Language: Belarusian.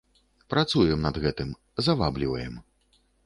Працуем над гэтым, завабліваем.